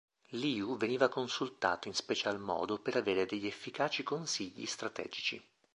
Liu veniva consultato in special modo per avere degli efficaci consigli strategici.